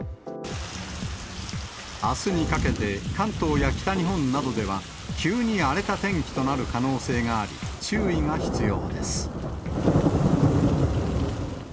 あすにかけて関東や北日本などでは急に荒れた天気となる可能性があり、注意が必要です。